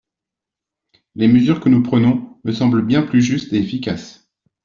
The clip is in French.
Les mesures que nous prenons me semblent bien plus justes et efficaces.